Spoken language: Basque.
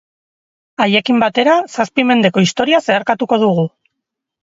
Haiekin batera, zazpi mendeko historia zeharkatuko dugu.